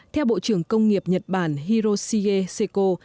theo bộ trưởng công nghiệp nhật bản hiroshi seiko